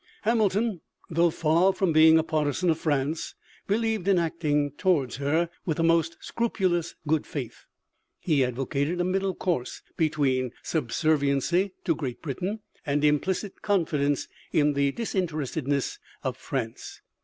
Hamilton, though far from being a partisan of France, believed in acting towards her with the most scrupulous good faith. He advocated a middle course between subserviency to Great Britain and implicit confidence in the disinterestedness of France.